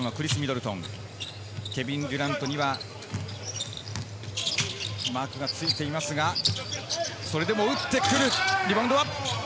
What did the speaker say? ケビン・デュラントにはマークがついていますが、それでも打ってくる。